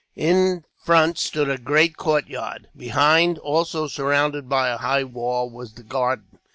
In front stood a great courtyard. Behind, also surrounded by a high wall, was the garden.